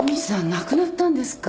亡くなったんですか。